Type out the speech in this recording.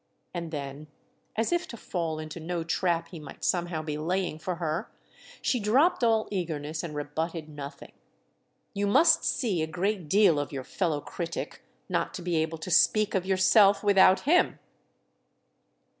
And then, as if to fall into no trap he might somehow be laying for her, she dropped all eagerness and rebutted nothing: "You must see a great deal of your fellow critic not to be able to speak of yourself without him!"